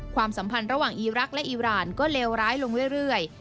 ความสัมพันธ์ระหว่างอีรักษ์และอีรานก็เลวร้ายลงเรื่อย